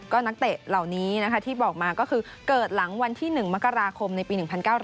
ก็นักเตะเหล่านี้นะคะที่บอกมาก็คือเกิดหลังวันที่๑มกราคมในปี๑๙๙